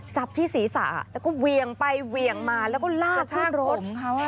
จับที่ศีรษะแล้วก็เวียงไปเวียงมาแล้วก็ลากทุกรถ